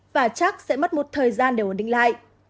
và chắc sẽ mất một thời gian để ổn định lại